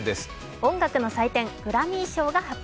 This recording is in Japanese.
音楽の祭典、グラミー賞が発表。